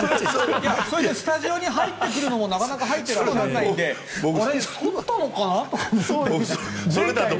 それでスタジオに入ってくるのもなかなか入っていらっしゃらないので剃ったのかなと。